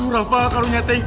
aduh rafa kalau nyateng